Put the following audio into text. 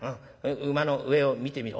馬の上を見てみろ？